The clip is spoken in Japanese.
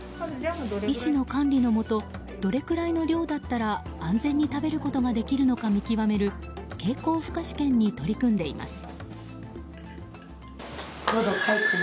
医師の管理のもとどれくらいの量だったら安全に食べることができるのか見極める経口負荷試験に取り組んでいます。